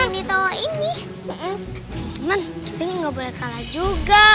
cuman kita nggak boleh kalah juga